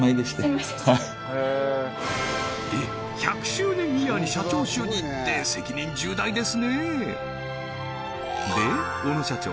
１００周年イヤーに社長就任って責任重大ですねえで小野社長